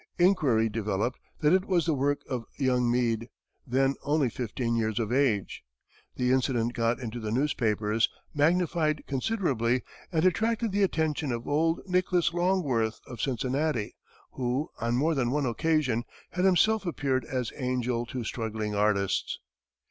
Inquiry developed that it was the work of young Meade, then only fifteen years of age. The incident got into the newspapers, magnified considerably, and attracted the attention of old Nicholas Longworth, of Cincinnati, who, on more than one occasion, had himself appeared as angel to struggling artists.